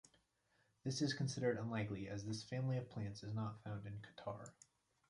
This is considered unlikely as this family of plants is not found in Qatar.